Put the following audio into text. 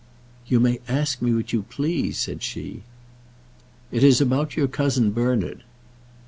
"You may ask me what you please," said she. "It is about your cousin Bernard."